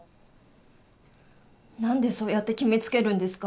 何でそうやって決めつけるんですか？